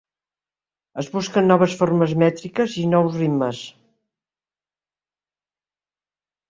Es busquen noves formes mètriques i nous ritmes.